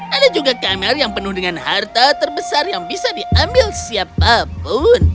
ada juga kamera yang penuh dengan harta terbesar yang bisa diambil siapapun